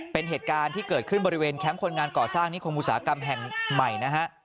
เป็นเหตุการณ์ที่เกิดขึ้นบริเวณแคมป์คนงานก่อสร้างนิคมอุตสาหกรรมแห่งใหม่นะฮะ